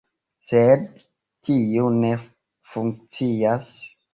Sed tio ne funkcias.